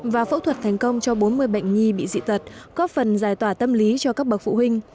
và phẫu thuật thành công cho bốn mươi bệnh nhi bị dị tật góp phần giải tỏa tâm lý cho các bậc phụ huynh